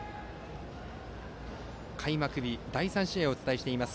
開幕日の第３試合をお伝えしています。